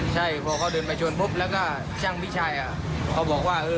ใช่พอเขาเดินไปชนปุ๊บแล้วก็ช่างพี่ชัยเขาบอกว่า